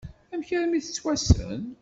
Amek armi tettwassen?